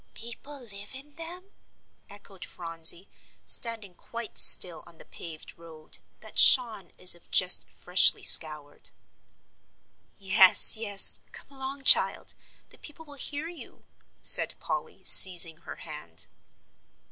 "People live in them!" echoed Phronsie, standing quite still on the paved road, that shone as if just freshly scoured. "Yes, yes; come along, child, the people will hear you," said Polly, seizing her hand.